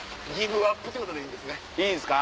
いいんすか？